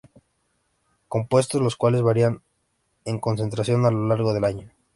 Compuestos los cuales varían en concentración a lo largo del año.